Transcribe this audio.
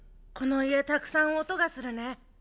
この家たくさん音がするね。